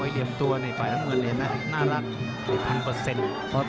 ติดตัวมาแล้วออกติดปุ๊บยกขามาบังเหลี่ยมเลย